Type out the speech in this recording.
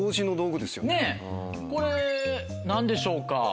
ねぇこれ何でしょうか？